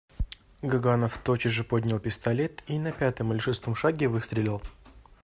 Гаганов тотчас же поднял пистолет и на пятом или шестом шаге выстрелил.